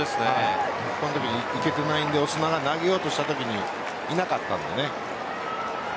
行けていないのでオスナが投げようとしたときにいなかったので。